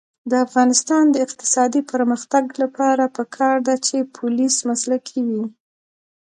د افغانستان د اقتصادي پرمختګ لپاره پکار ده چې پولیس مسلکي وي.